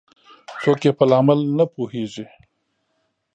څوک یې په لامل نه پوهیږي